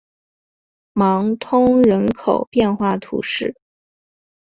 芒通人口变化图示